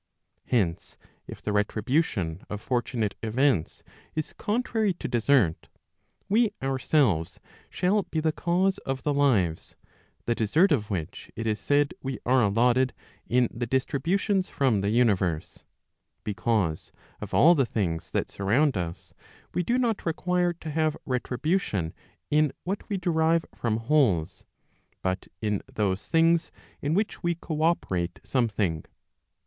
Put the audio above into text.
Hence, if the retribution of fortunate events is contrary to desert, we ourselves shall be the cause of the lives, the desert of which it is said we are allotted in the distributions from the universe; because, of all the things that surround us, we do not require to have retribution in what we derive from wholes, but in those things in which we co operate something.